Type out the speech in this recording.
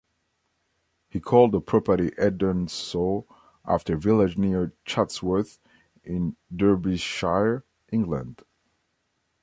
He called the property Edensor, after a village near Chatsworth in Derbyshire, England.